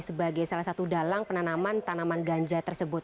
sebagai salah satu dalang penanaman tanaman ganja tersebut